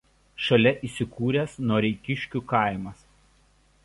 Šalia įsikūręs Noreikiškių kaimas.